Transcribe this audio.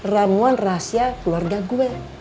ramuan rahasia keluarga gue